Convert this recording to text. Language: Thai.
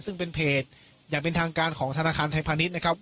ซึ่งเป็นเพจอย่างเป็นทางการของธนาคารไทยพาณิชย์นะครับ